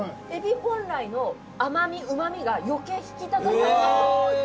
本来の甘みうま味が余計引き立たされます。